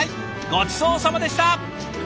ごちそうさまでした！